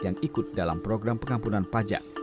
yang ikut dalam program pengampunan pajak